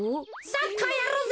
サッカーやろうぜ。